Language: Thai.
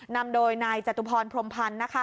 นำโดยนายจตุพรพรมพรรณ